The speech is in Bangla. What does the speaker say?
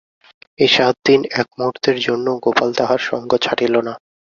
এই সাতদিন একমুহুর্তের জন্যও গোপাল তাহার সঙ্গ ছাড়িল না।